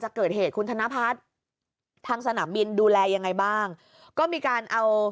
จะเกิดเหตุคุณธนพัฒน์ทางสนามบินดูแลยังไงบ้างก็มีการเอา